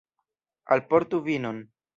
Alportu vinon!